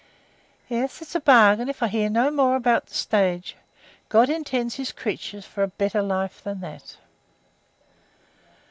"Yes; it's a bargain, if I hear no more about the stage. God intends His creatures for a better life than that."